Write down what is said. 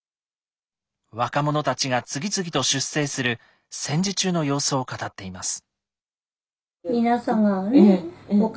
若者たちが次々と出征する戦時中の様子を語っています。